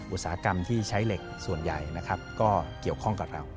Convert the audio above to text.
อุตสาหกรรมที่ใช้เหล็กส่วนใหญ่นะครับก็เกี่ยวข้องกับเรา